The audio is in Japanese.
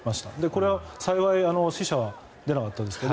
これは幸い死者は出なかったんですが。